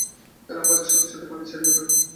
Alarm বাজার সাথে সাথে পানি ছেড়ে দেবে।